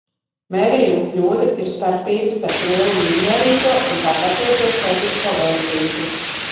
Mērījuma kļūda ir starpība starp lieluma izmērīto un tā patieso skaitlisko vērtību.